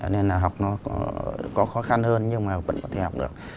nên là học nó có khó khăn hơn nhưng mà vẫn có thể học được